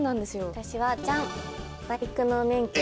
私はじゃん。